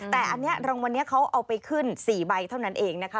แต่อันนี้รางวัลนี้เขาเอาไปขึ้น๔ใบเท่านั้นเองนะคะ